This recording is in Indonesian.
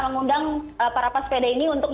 mengundang para pesepeda ini untuk